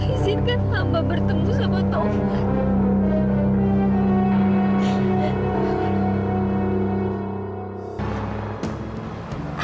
izinkan hamba bertemu sama taufan